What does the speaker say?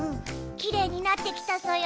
きれいになってきたソヨ。